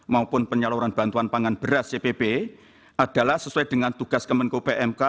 maupun penyaluran bantuan pangan beras cpp adalah sesuai dengan tugas kemenko pmk